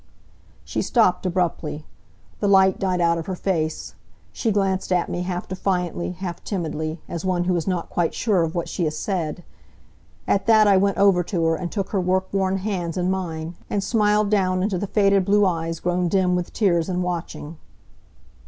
She stopped, abruptly. The light died out of her face. She glanced at me, half defiantly, half timidly, as one who is not quite sure of what she has said. At that I went over to her, and took her work worn hands in mine, and smiled down into the faded blue eyes grown dim with tears and watching.